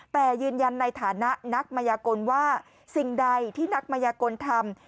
แต่ยืนยันในฐานะนักมยากลว่าสิ่งใดที่นักมยากลทำ